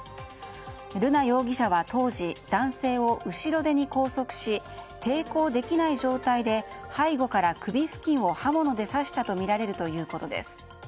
瑠奈容疑者は当時男性を後ろ手に拘束し抵抗できない状態で背後から首付近を刃物で刺したとみられることです。